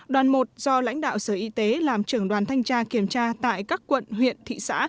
đoàn một do lãnh đạo sở y tế làm trưởng đoàn thanh tra kiểm tra tại các quận huyện thị xã